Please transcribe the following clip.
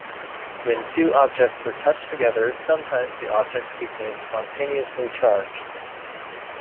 When two objects were touched together, sometimes the objects became spontaneously charged.